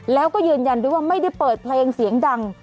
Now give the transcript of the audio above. แล้วก็ยืนยันด้วยว่าไม่ได้เปิดเพลงเสียงดัง